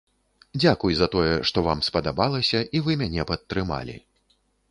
Дзякуй за тое, што вам спадабалася і вы мяне падтрымалі.